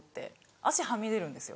足はみ出るんですよ。